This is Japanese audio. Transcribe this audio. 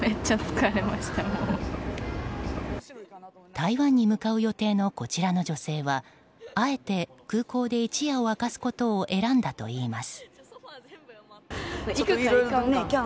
台湾に向かう予定のこちらの女性はあえて空港で一夜を明かすことを選んだといいます。